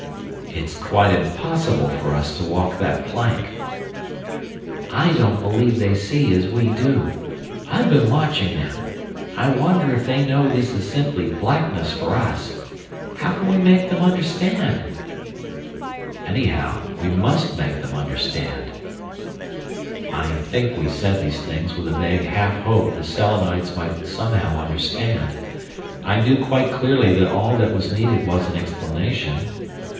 "It's quite impossible for us to walk that plank." "I don't believe they see as we do. I've been watching them. I wonder if they know this is simply blackness for us. How can we make them understand?" "Anyhow, we must make them understand." I think we said these things with a vague half hope the Selenites might somehow understand. I knew quite clearly that all that was needed was an explanation.